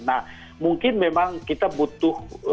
nah mungkin memang kita butuh